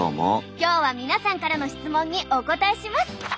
今日は皆さんからの質問にお答えします。